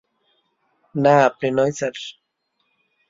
না, আপনি নয়, স্যার।